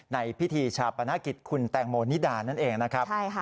ในพิธีฉาปนาคิดคุณแตงโมนิดานั่นเองนะครับใช่ค่ะ